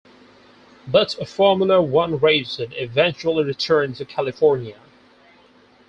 But a Formula One race would eventually return to California.